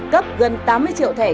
cấp gần tám mươi triệu thẻ